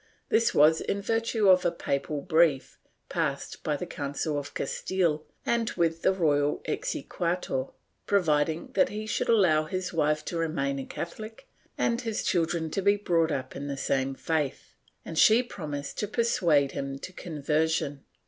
This was in virt; ue of a papal brief, passed by the Council of CastUe and with the royal exequatur, providing that he should allow his wife to remain a Catholic and his children to be brought up in the same faith, and she promising to persuade him to con\ersion.